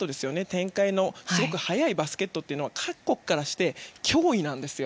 展開のすごく速いバスケットは各国からして脅威なんですよ。